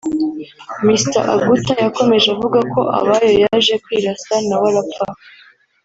Mr Aguta yakomeje avuga ko Abayo yaje kwirasa na we arapfa